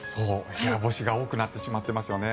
部屋干しが多くなってしまってますよね。